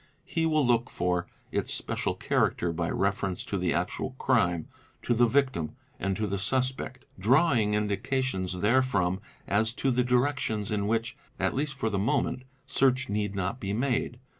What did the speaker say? He will look for its special character by reference to the actual crime, to the victim, and to the suspect, draw ing indications therefrom as to the directions in which, at least for the 'moment, search need not be made.